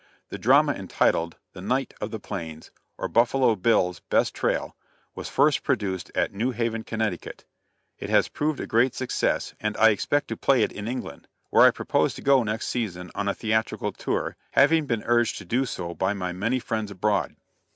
The drama entitled "The Knight of the Plains, or Buffalo Bill's Best Trail," was first produced at New Haven, Conn.; it has proved a great success, and I expect to play it in England, where I purpose to go next season on a theatrical tour, having been urged to do so by my many friends abroad.